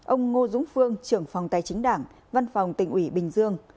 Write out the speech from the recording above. ông ngô dũng phương trưởng phòng tài chính đảng văn phòng tỉnh ủy bình dương